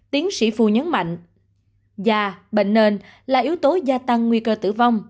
tiến sĩ phu nhấn mạnh da bệnh nền là yếu tố gia tăng nguy cơ tử vong